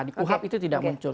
di kuhap itu tidak muncul